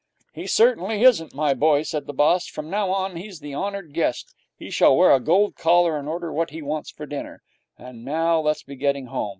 'He certainly isn't, my boy,' said the boss. 'From now on he's the honoured guest. He shall wear a gold collar and order what he wants for dinner. And now let's be getting home.